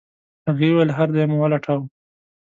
هغې وويل هر ځای مو ولټاوه.